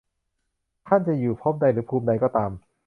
ท่านจะอยู่ภพใดหรือภูมิใดก็ตาม